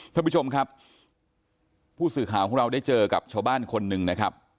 ท่านผู้ชมครับผู้สื่อข่าวของเราได้เจอกับชาวบ้านคนหนึ่งนะครับ